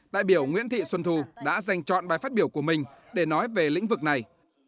đại biểu nguyễn thị xuân thu đã dành chọn bài phát biểu của mình để nói về lĩnh vực này